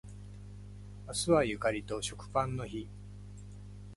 明日はゆかりと食パンの日